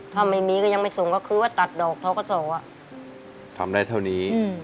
ถ้าไม่มีก็ยังไม่ส่งก็คือว่าตัดดอกท้อกศทำได้เท่านี้